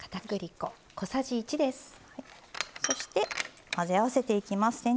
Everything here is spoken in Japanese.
そして混ぜ合わせていきます。